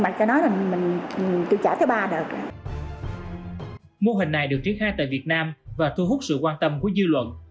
mô hình này được triển khai tại việt nam và thu hút sự quan tâm của dư luận